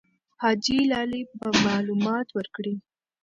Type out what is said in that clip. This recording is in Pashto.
حاجي لالی به معلومات ورکړي.